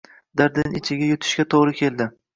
Dardini ichiga yutishga to’gri keldi.